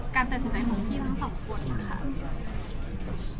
การตัดฉิดใต้ของพี่ทั้งสองคน